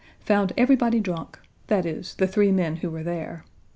Found everybody drunk that is, the three men who were there.